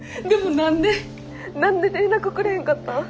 何で連絡くれへんかったん？